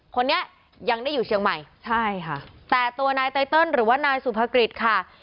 คนนี้ยังได้อยู่เชียงใหม่ใช่ค่ะแต่ตัวนายไตเติลหรือว่านายสุภกฤษค่ะ